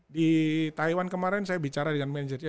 di taiwan kemarin saya bicara dengan manajernya